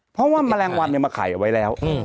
เพราะว่าแมลงวันเดียวมาข่ายไว้แล้ว